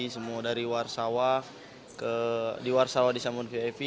semua dari warsawa disambut vip